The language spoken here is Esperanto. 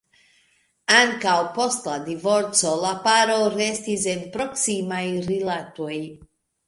Ankaŭ post la divorco la paro restis en proksimaj rilatoj.